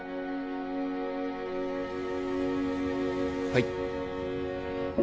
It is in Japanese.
はい。